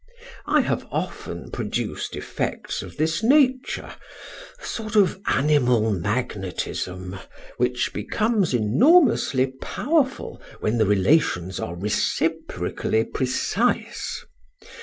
I have often produced effects of this nature, a sort of animal magnetism which becomes enormously powerful when the relations are reciprocally precise.